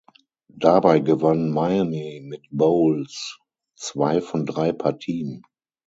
Dabei gewann Miami mit Bowles zwei von drei Partien.